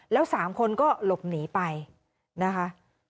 แล้ว๓คนก็หลบหนีไปนะคะ